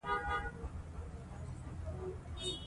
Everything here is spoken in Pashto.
کار د پرمختګ لپاره هڅه غواړي